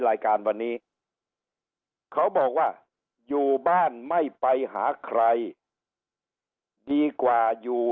รายการวันนี้เขาบอกว่าอยู่บ้านไม่ไปหาใครดีกว่าอยู่